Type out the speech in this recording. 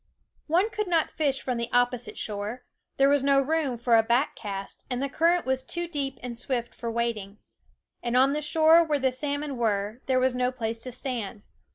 One could not fish from the oppo site shore there was no room for a back cast, and the current was too deep and swift for wading and on the shore where the salmon were there was no place to stand.